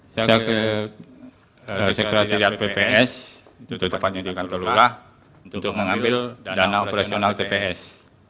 saya ke sekretariat bps itu tepatnya di kantor luka untuk mengambil dana operasional tps